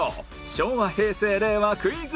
昭和平成令和クイズ